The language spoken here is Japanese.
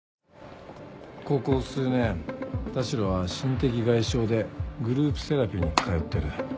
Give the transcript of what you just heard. ここ数年田代は心的外傷でグループセラピーに通ってる。